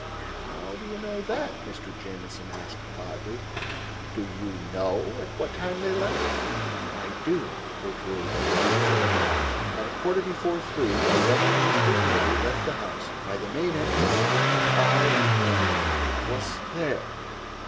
"How do you know that?" Mr. Jamieson asked oddly. "Do you know at what time they left?" "I do," Gertrude answered firmly. "At a quarter before three my brother and Mr. Bailey left the house, by the main entrance. I—was—there."